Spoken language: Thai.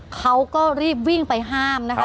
เขาก็รีบวิ่งไปห้ามนะคะ